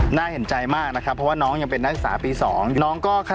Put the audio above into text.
หน้าเห็นใจมากนะครับเพราะว่าน้องยังเป็นนักศึกษาปี๒น้องก็ขณะที่กำลังไปเรียน